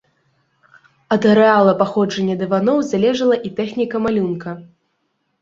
Ад арэала паходжання дываноў залежала і тэхніка малюнка.